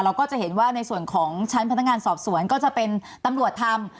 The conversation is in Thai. ก็จะเห็นว่าในส่วนของชั้นพนักงานสอบสวนก็จะเป็นตำรวจทำ